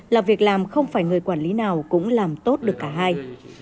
là việc làm không phải người quản lý nào cũng làm tốt được cả hai